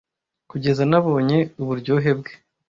kugeza nabonye uburyohe bwe